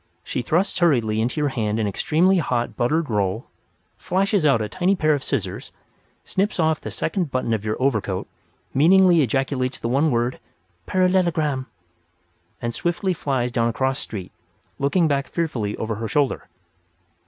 She thrusts hurriedly into your hand an extremely hot buttered roll, flashes out a tiny pair of scissors, snips off the second button of your overcoat, meaningly ejaculates the one word, "parallelogram!" and swiftly flies down a cross street, looking back fearfully over her shoulder.